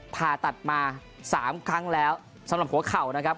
ผ่าตัดมา๓ครั้งแล้วสำหรับหัวเข่านะครับ